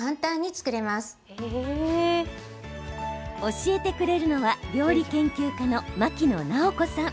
教えてくれるのは料理研究家の牧野直子さん。